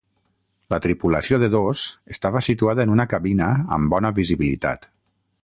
La tripulació de dos estava situada en una cabina amb bona visibilitat.